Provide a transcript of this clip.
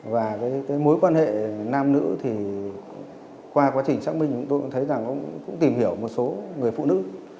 và mối quan hệ nam nữ thì qua quá trình xác minh tôi cũng thấy là cũng tìm hiểu một số người phụ nữ